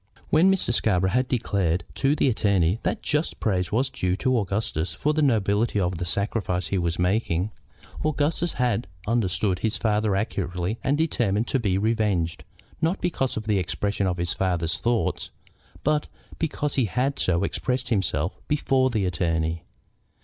When Mr. Scarborough had declared to the attorney that just praise was due to Augustus for the nobility of the sacrifice he was making, Augustus had understood his father accurately and determined to be revenged, not because of the expression of his father's thoughts, but because he had so expressed himself before the attorney.